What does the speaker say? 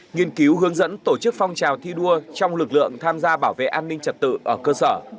nghiên cứu hướng dẫn tổ chức phong trào thi đua trong lực lượng tham gia bảo vệ an ninh trật tự ở cơ sở